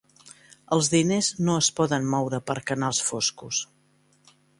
Els diners no es poden moure per canals foscos.